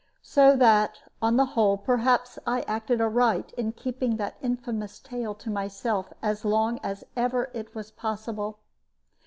So that on the whole perhaps I acted aright in keeping that infamous tale to myself as long as ever it was possible.